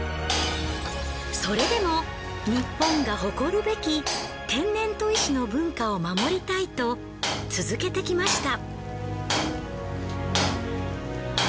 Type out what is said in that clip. それでもニッポンが誇るべき天然砥石の文化を守りたいと続けてきました。